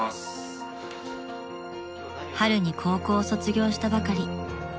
［春に高校を卒業したばかり］